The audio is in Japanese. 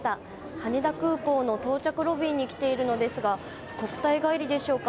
羽田空港の到着ロビーに来ているのですが国体帰りでしょうか？